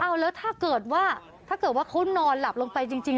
อ้าวแล้วถ้าเกิดว่าเขานอนหลับลงไปจริง